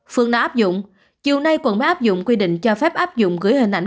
phương đã áp dụng chiều nay quận mới áp dụng quy định cho phép áp dụng gửi hình ảnh